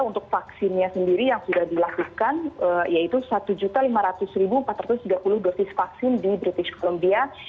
untuk vaksinnya sendiri yang sudah dilakukan yaitu satu lima ratus empat ratus tiga puluh dosis vaksin di british columbia